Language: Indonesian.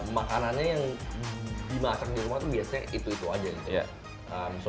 makanannya yang dimasak di rumah tuh biasanya itu itu aja gitu